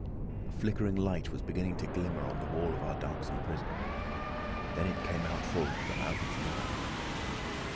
A flickering light was beginning to glimmer on the wall of our darksome prison; then it came out full at the mouth of the gallery.